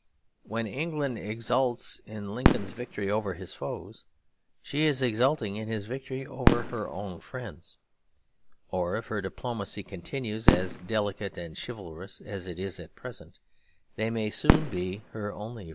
When England exults in Lincoln's victory over his foes, she is exulting in his victory over her own friends. If her diplomacy continues as delicate and chivalrous as it is at present, they may soon be her only friends.